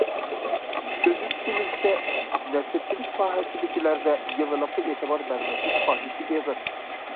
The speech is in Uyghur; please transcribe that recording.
كۆزىتىشىمىزچە، نەسرچىلىك ساھەسىدىكىلەردە يېڭىلىققا ئېتىبار بەرمەسلىك خاھىشى ئېغىر.